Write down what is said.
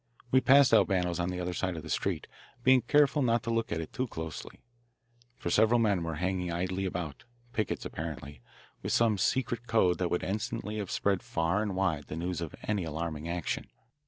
We passed Albano's on the other side of the street, being careful not to look at it too closely, for several men were hanging idly about pickets, apparently, with some secret code that would instantly have spread far and wide the news of any alarming action.